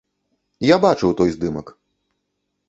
Я бачыў той здымак.